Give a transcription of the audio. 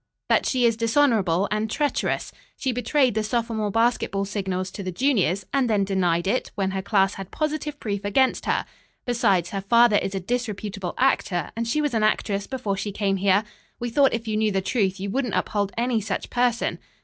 "That she is dishonorable and treacherous. She betrayed the sophomore basketball signals to the juniors, and then denied it, when her class had positive proof against her. Besides, her father is a disreputable actor, and she was an actress before she came here. We thought if you knew the truth you wouldn't uphold any such person."